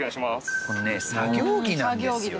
このね作業着なんですよね。